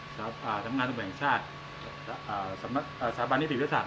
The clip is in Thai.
ทำงานสมัยแห่งชาติสถาบันที่วิทยาศาสตร์